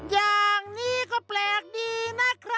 อย่างนี้ก็แปลกดีนะครับ